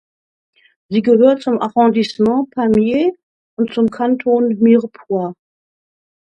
Sie gehört zum Arrondissement Pamiers und zum Kanton Mirepoix.